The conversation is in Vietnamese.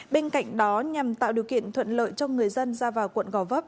bên cạnh đó nhằm tạo điều kiện thuận lợi cho người dân ra vào quận gò vấp